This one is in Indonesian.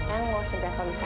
ayang mau sederhana bisa